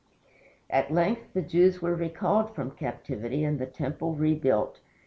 At length the Jews were recalled from captivity and the temple rebuilt.